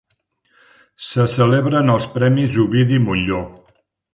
Se celebren els Premis Ovidi Montllor